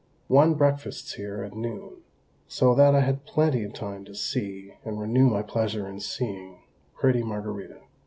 One breakfasts here at noon, so that I had plenty of time to see, and renew my pleasure in seeing, pretty Margarita.